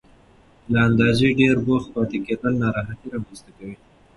له اندازې ډېر بوخت پاتې کېدل ناراحتي رامنځته کوي.